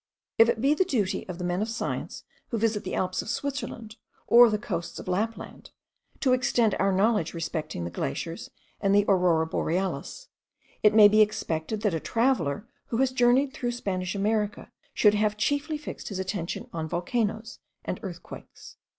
If it be the duty of the men of science who visit the Alps of Switzerland, or the coasts of Lapland, to extend our knowledge respecting the glaciers and the aurora borealis, it may be expected that a traveller who has journeyed through Spanish America, should have chiefly fixed his attention on volcanoes and earthquakes.